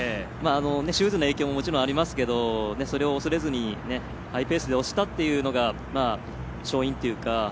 シューズの影響ももちろんありますけどそれを恐れずにハイペースで押したというのが勝因っていうか。